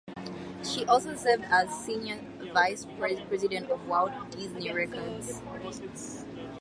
She also served as senior vice president of Walt Disney Records.